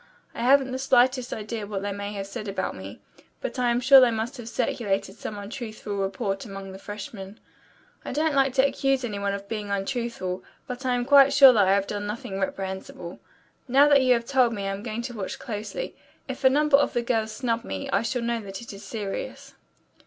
I haven't the slightest idea what they may have said about me, but I am sure they must have circulated some untruthful report among the freshmen. I don't like to accuse any one of being untruthful, but I am quite sure that I have done nothing reprehensible. Now that you have told me I'm going to watch closely. If a number of the girls snub me, I shall know that it is serious."